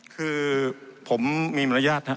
คือผมมีมารยาทนะฮะ